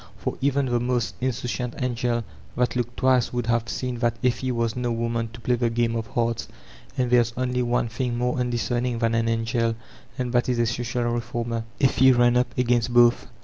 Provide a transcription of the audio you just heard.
For even the most insouciant angel 422 VOLTAIRINE DE ClEYRE that looked twice would have seen that Effie was no woman to play the game of hearts, and there's only one thing more undisceming than an angel, and that is a social reformer. Effie ran up against both.